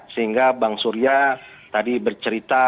sehingga bang surya tadi bercerita